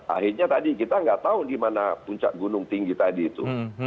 akhirnya tadi kita nggak tahu di mana puncak gunung tinggi tadi itu